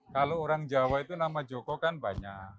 kalau orang jawa itu nama joko kan banyak